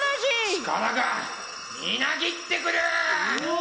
力がみなぎってくる！